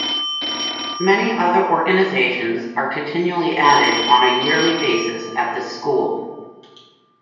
Many other organizations are continually added on a yearly basis at this school.